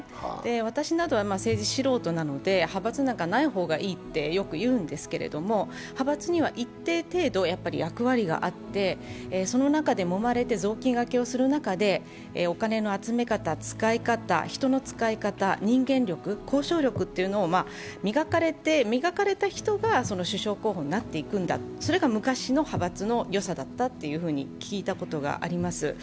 私などは政治素人なので、派閥なんかないほうがいいとよく言うんですけど、派閥には一定程度役割があってその中でもまれて、雑巾がけをする中で、お金の集め方、使い方、人の使い方、人間力、交渉力が磨かれて、磨かれた人が首相候補になっていくんだ、それが昔の派閥のよさだったというふうに聞いたことがあります。